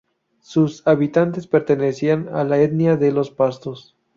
Sus habitantes pertenecían a la etnia de los pastos.